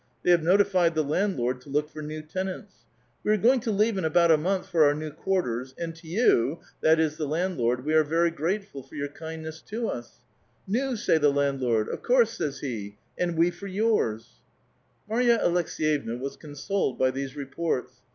They have notified the landloixl to look for new tenants. ' We are going to leave in about a month lor our new quarters ; and to you,* — tliat is, tlie landlord, —* we are very grateful for your kind ness to us,* ' Xu !' sa}' the landloitl ;•• of course,' says he ;* and we for vours.* " Marva Aleks^yevna was consoled by these reports.